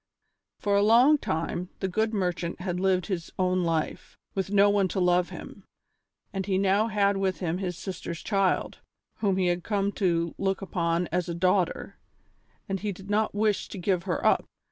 For a long time the good merchant had lived his own life, with no one to love him, and he now had with him his sister's child, whom he had come to look upon as a daughter, and he did not wish to give her up.